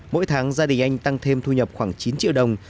mỗi tháng gia đình anh tăng thêm thu nhập khoảng chín triệu đồng